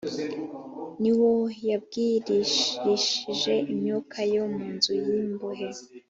ni wo yabwiririshije imyuka yo mu nzu y imbohe